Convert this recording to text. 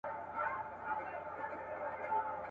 له سړیو ساه ختلې ژوندي مړي پکښي ګرځي ..